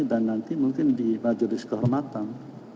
dan nanti mungkin di majelis kehormatan